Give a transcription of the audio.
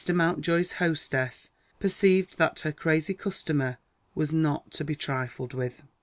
Mountjoy's hostess perceived that her crazy customer was not to be trifled with.